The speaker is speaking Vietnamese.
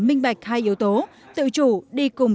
minh bạch hai yếu tố tự chủ đi cùng